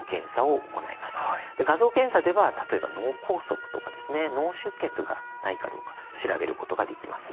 画像検査では例えば脳梗塞とか脳出血がないかどうか調べることができます。